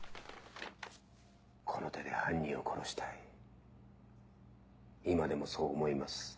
この手で犯人を殺したい今でもそう思います。